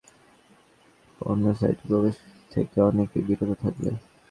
তাই পরিচয় প্রকাশিত হওয়ার ভয়ে পর্নো সাইটে প্রবেশ থেকে অনেকে বিরত থাকবে।